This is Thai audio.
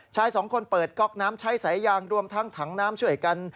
ชายสองคนเปิดก๊อกน้ำใช้สายยางรวมทั้งถังน้ำช่วยกัน